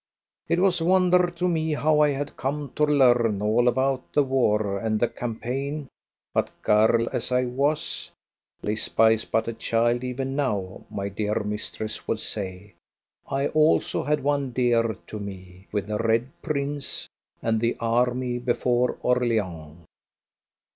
It was wonder to me how I had come to learn all about the war and the campaign, but girl as I was (Lisba is but a child even now, my dear mistress would say), I also had one dear to me with the Red Prince and the army before Orleans.